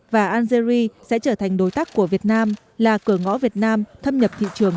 và algeri sẽ trở thành đối tác của việt nam là cửa ngõ việt nam thâm nhập thị trường